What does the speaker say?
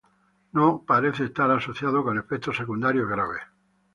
No parece estar asociado con efectos secundarios graves.